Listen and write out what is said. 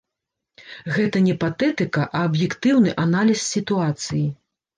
Гэта не патэтыка, а аб'ектыўны аналіз сітуацыі.